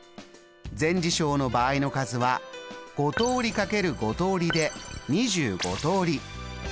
全事象の場合の数は５通り×５通りで２５通り。